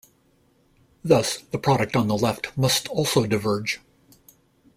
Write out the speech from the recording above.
Thus the product on the left must also diverge.